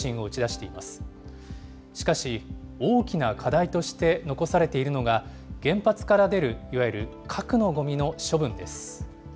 しかし、大きな課題として残されているのが、原発から出るいわゆる核のごみの処分です。